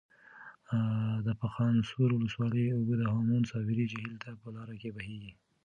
د چخانسور ولسوالۍ اوبه د هامون صابري جهیل ته په لاره کې بهیږي.